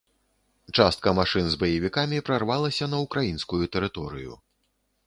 Частка машын з баевікамі прарвалася на ўкраінскую тэрыторыю.